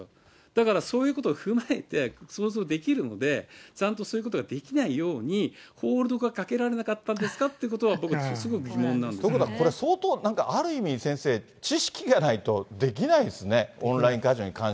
だから、そういうことを踏まえて、想像できるので、ちゃんとそういうことができないように、ホールドがかけられなかったんですかっていうのが、僕、ということは、相当なんか、ある意味、知識がないとできないですね、そうですね。